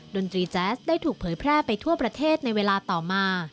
ดนตรีแจ๊สได้ถูกเผยแพร่ไปทั่วประเทศในเวลาต่อมา